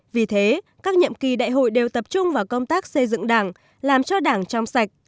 vì thế các nhiệm kỳ đại hội đều tập trung vào công tác xây dựng đảng làm cho đảng trong sạch